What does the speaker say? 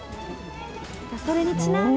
それにちなんで。